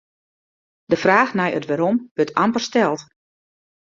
De fraach nei it wêrom wurdt amper steld.